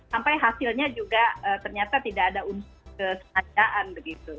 sampai hasilnya juga ternyata tidak ada unsur kesengajaan begitu